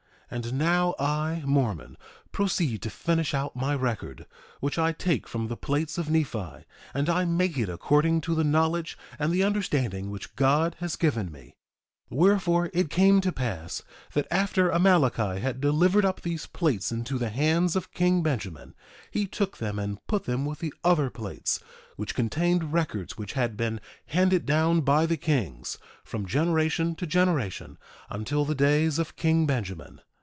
1:9 And now I, Mormon, proceed to finish out my record, which I take from the plates of Nephi; and I make it according to the knowledge and the understanding which God has given me. 1:10 Wherefore, it came to pass that after Amaleki had delivered up these plates into the hands of king Benjamin, he took them and put them with the other plates, which contained records which had been handed down by the kings, from generation to generation until the days of king Benjamin.